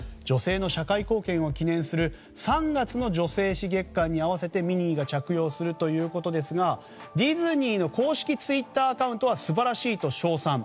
女性の社会貢献を記念する３月の女性史月間に合わせてミニーが着用するということですがディズニーの公式ツイッターアカウントは素晴らしいと称賛。